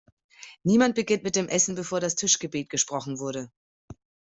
Niemand beginnt mit dem Essen, bevor das Tischgebet gesprochen wurde!